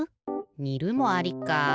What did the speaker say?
にるもありか。